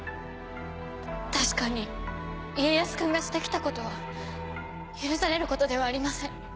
確かに家康君がして来たことは許されることではありません。